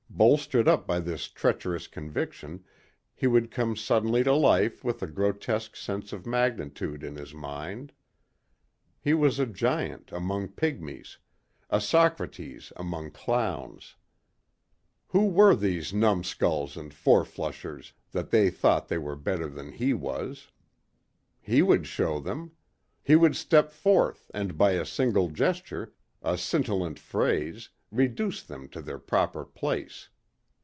Bolstered up by this treacherous conviction, he would come suddenly to life with a grotesque sense of magnitude in his mind. He was a giant among pigmies, a Socrates among clowns! Who were these numbskulls and fourflushers that they thought they were better than he was! He would show them! He would step forth and by a single gesture, a scintillant phrase, reduce them to their proper place.